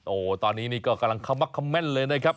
โอ้ตอนนี้ก็กำลังคำว่าคำแม่นเลยนะครับ